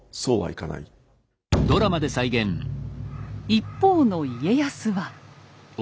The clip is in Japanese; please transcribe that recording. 一方の家康は。